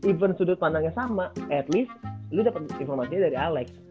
even sudut pandangnya sama at least lu dapat informasinya dari alex